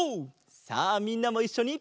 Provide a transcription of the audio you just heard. さあみんなもいっしょに！